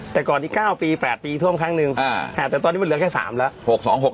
แต่ก่อนอีก๙ปี๘ปีท่วมครั้งหนึ่งแต่ตอนนี้มันเหลือแค่๓แล้ว